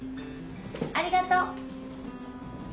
ありがとう。